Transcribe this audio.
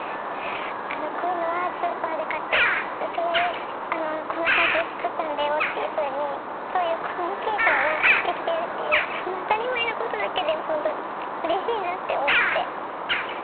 「こういうのはスーパーで買ってこんな感じで作ったんだよ」っていうふうにそういうコミュニケーションができてるっていうその当たり前のことだけでもほんとうれしいなって思って。